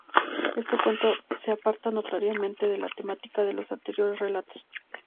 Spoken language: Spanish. Este cuento se aparta notoriamente de la temática de los anteriores relatos.